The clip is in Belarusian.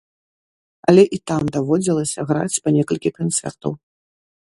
Але і там даводзілася граць па некалькі канцэртаў.